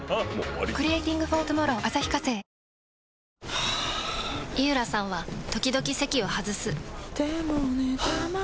はぁ井浦さんは時々席を外すはぁ。